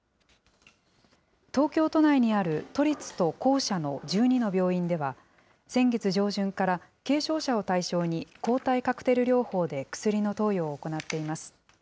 東京都内にある都立と公社の１２の病院では、先月上旬から軽症者を対象に、抗体カクテル療法で薬の投与を行っています。